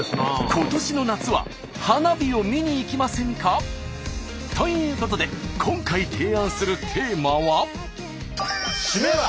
今年の夏は花火を見に行きませんか？ということで今回提案するテーマは。